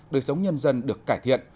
đời sống nhân dân được cải thiện